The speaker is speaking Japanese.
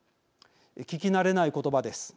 聞き慣れない言葉です。